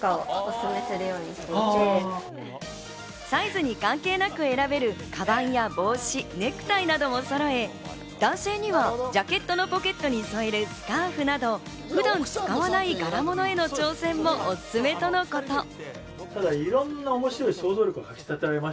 サイズに関係なく選べる、かばんや帽子、ネクタイなどもそろえ、男性にはジャケットのポケットに添えるスカーフなど、普段使わない柄物への挑戦もおすすめとのこと。